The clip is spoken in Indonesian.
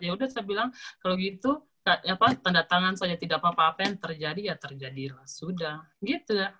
ya udah saya bilang kalau gitu tanda tangan saja tidak apa apa yang terjadi ya terjadilah sudah gitu